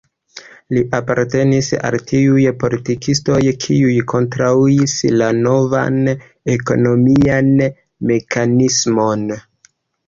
Li apartenis al tiuj politikistoj, kiuj kontraŭis la novan ekonomian mekanismon.